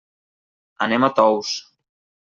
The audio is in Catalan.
Anem a Tous.